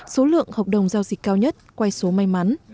số lượng hợp đồng giao dịch cao nhất quay số may mắn